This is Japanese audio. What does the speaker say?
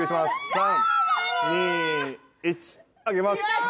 ３２１上げます